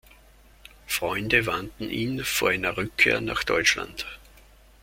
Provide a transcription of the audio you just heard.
Freunde warnten ihn vor einer Rückkehr nach Deutschland.